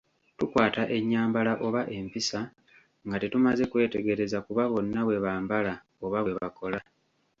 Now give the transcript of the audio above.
Tukwata ennyambala oba empisa, nga tetumaze kwetegereza kuba bonna bwe bambala oba bwe bakola.